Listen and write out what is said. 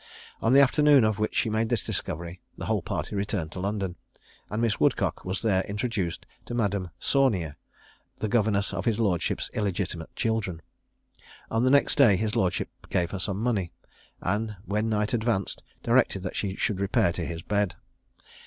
On the afternoon on which she made this discovery, the whole party returned to London, and Miss Woodcock was there introduced to Madame Saunier, the governess of his lordship's illegitimate children. On the next day his lordship gave her some money; and when night advanced, directed that she should repair to his bed.